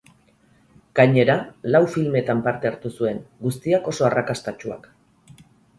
Gainera, lau filmetan parte hartu zuen, guztiak oso arrakastatsuak.